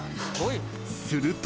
［すると］